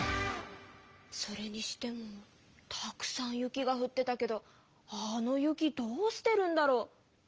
それにしてもたくさん雪がふってたけどあの雪どうしてるんだろ？